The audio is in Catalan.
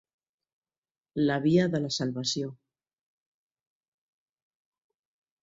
La via de la salvació.